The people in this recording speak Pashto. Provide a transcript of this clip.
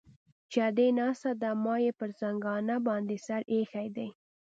چې ادې ناسته ده ما يې پر زنګانه باندې سر ايښى دى.